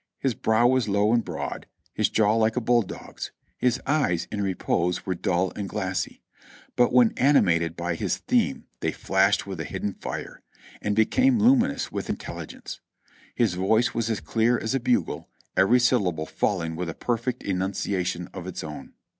His brow was low and broad, his jaw like a bulldog's ; his eyes in repose were dull and glassy, but when animated by his theme they flashed with a hidden fire, and became luminous with intel ligence. His voice was as clear as a bugle, every syllable falling with a perfect enunciation of its own.